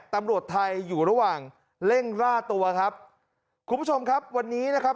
ตำรวจไทยอยู่ระหว่างเร่งล่าตัวครับคุณผู้ชมครับวันนี้นะครับ